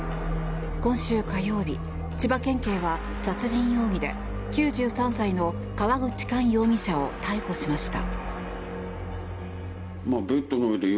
今週火曜日、千葉県警は殺人容疑で９３歳の川口寛容疑者を逮捕しました。